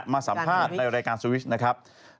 มาสัมภาษณ์ในรายการสวิชนะครับ